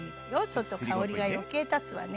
そうすると香りが余計立つわね。